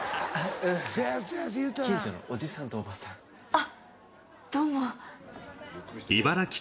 あっどうも。